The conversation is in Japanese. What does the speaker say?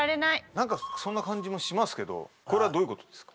何かそんな感じもしますけどこれはどういうことですか？